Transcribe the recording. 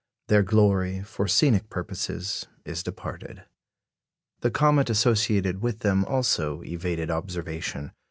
Their glory, for scenic purposes, is departed. The comet associated with them also evaded observation.